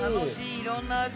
いろんな味！